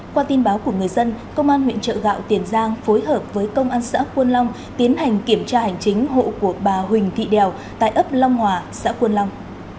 qua tin báo của người dân công an huyện trợ gạo tiền giang phối hợp với công an xã quân long tiến hành kiểm tra hành chính hộ của bà huỳnh thị đèo tại ấp long hòa xã quân long